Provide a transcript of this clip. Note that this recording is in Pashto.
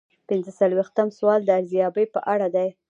پنځه څلویښتم سوال د ارزیابۍ په اړه دی.